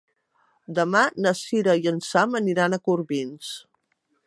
Demà na Sira i en Sam aniran a Corbins.